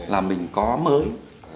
làm mình có mới